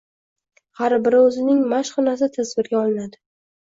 Har biri o‘zining mashq xonasida tasvirga olinadi.